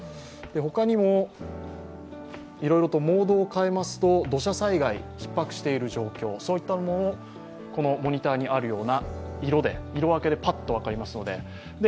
他にもモードを変えますと土砂災害がひっ迫している状況そういったものもモニターにあるような色分けでパッと分かります。